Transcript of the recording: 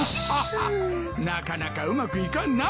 ハハなかなかうまくいかんなあ。